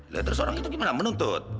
lihat terus orang itu gimana menuntut